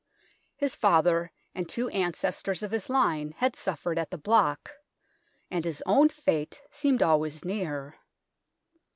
His father and two ancestors of his line had suffered at the block, and his own fate seemed always near.